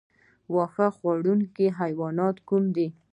واښه خوړونکي حیوانات کوم دي؟